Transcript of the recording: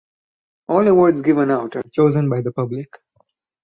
All awards given out are chosen by the public.